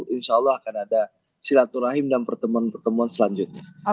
insya allah akan ada silaturahim dan pertemuan pertemuan selanjutnya